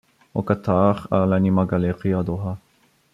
Au Qatar, à l'Anima Gallery à Doha.